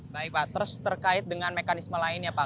baik pak terus terkait dengan mekanisme lainnya pak